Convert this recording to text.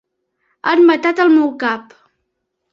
Han matat el meu Cap.